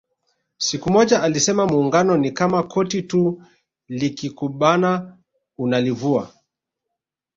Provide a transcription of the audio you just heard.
Siku moja alisema Muungano ni kama koti tu likikubana unalivua